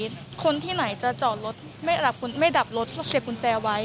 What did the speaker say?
การรับศพวันนี้ก็เป็นไปด้วยความเศร้าแล้วครับท่านผู้ชมครับ๒ครอบครัวนะฮะมันไม่ใช่ว่าไม่ตั้งใจมันคือการวางแผนมาแล้ว